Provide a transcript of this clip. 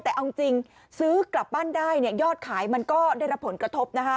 แต่เอาจริงซื้อกลับบ้านได้ยอดขายมันก็ได้รับผลกระทบ